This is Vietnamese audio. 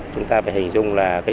chúng ta phải hình dung là